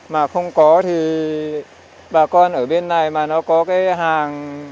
mà không có thì bà con ở bên này mà nó có cái hàng